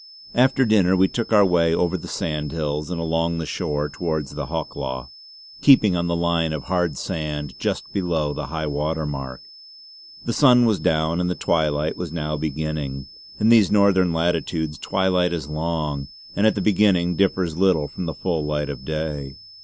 After dinner, we took our way over the sandhills and along the shore towards the Hawklaw, keeping on the line of hard sand just below high water mark. The sun was down and the twilight was now beginning. In these northern latitudes twilight is long, and at the beginning differs little from the full light of day.